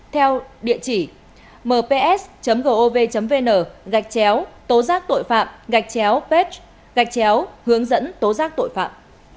theo địa chỉ mps gov vn gạch chéo tố giác tội phạm gạch chéo pat gạch chéo hướng dẫn tố giác tội phạm